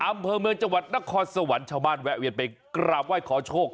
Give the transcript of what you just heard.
อำเภอเมืองจังหวัดนครสวรรค์ชาวบ้านแวะเวียนไปกราบไหว้ขอโชค